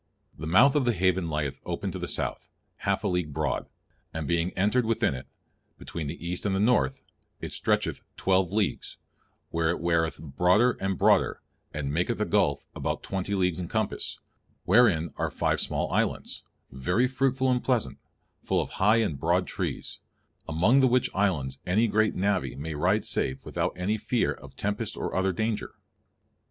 The mouth of the haven lieth open to the south, half a league broad; and being entred within it, between the east and the north, it stretcheth twelve leagues, where it wareth broader and broader, and maketh a gulfe about twenty leagues in compass, wherein are five small islands, very fruitfull and pleasant, full of hie and broad trees, among the which islands any great navie may ride safe without any feare of tempest or other danger."